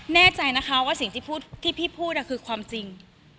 แน่ใจนะคะว่าสิ่งที่พี่พูดคือความจริง